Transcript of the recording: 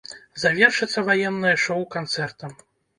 Завершыцца ваеннае шоу канцэртам.